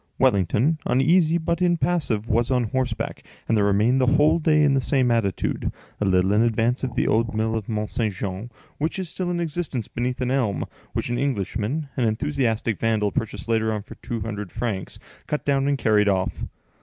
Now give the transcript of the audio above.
Wellington, uneasy but impassive, was on horseback, and there remained the whole day in the same attitude, a little in advance of the old mill of Mont Saint Jean, which is still in existence, beneath an elm, which an Englishman, an enthusiastic vandal, purchased later on for two hundred francs, cut down, and carried off.